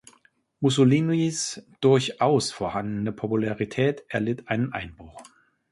Mussolinis durchaus vorhandene Popularität erlitt einen Einbruch.